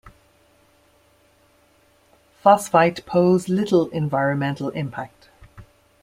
Phosphite pose little environmental impact.